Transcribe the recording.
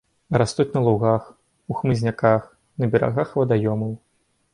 Растуць на лугах, у хмызняках, на берагах вадаёмаў.